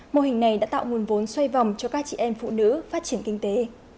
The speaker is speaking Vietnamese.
mô hình này đã tạo nguồn vốn xoay vòng cho các chị em phụ nữ phát triển kinh tế